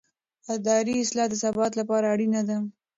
اداري اصلاح د ثبات لپاره اړینه ده